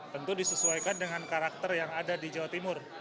tentu disesuaikan dengan karakter yang ada di jawa timur